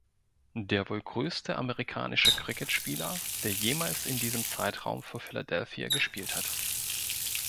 Der wohl größte amerikanische Cricketspieler, der jemals in diesem Zeitraum für Philadelphia gespielt hat.